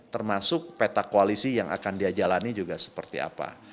termasuk peta koalisi yang akan diajalani juga seperti apa